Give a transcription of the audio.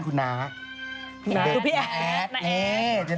เขาเคยโกนมั้ย